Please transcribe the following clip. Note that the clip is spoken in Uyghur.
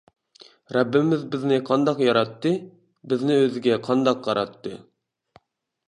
رەببىمىز بىزنى قانداق ياراتتى؟ ؟، بىزنى ئۆزىگە قانداق قاراتتى؟ ؟.